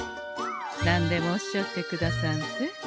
何でもおっしゃってくださんせ。